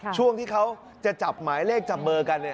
ช่วงที่เขาจะจับหมายเลขจับเบอร์กัน